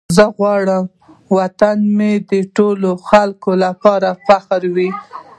زه غواړم وطن مې د ټولو خلکو لپاره فخر وي.